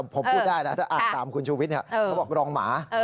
ผมพูดได้นะตามคุณสุวิตย์เนี่ยเขาบอกรองหมา